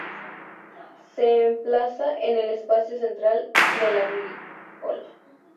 Se emplaza en el espacio central de la girola.